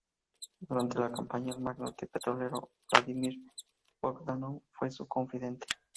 Durante la campaña, el magnate petrolero Vladímir Bogdanov fue su confidente.